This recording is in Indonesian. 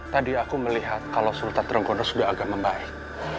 tadi aku melihat kalau sultan renggondo sudah agak membaik